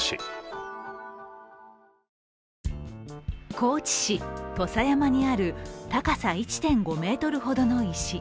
高知市土佐山にある高さ１．５ｍほどの石。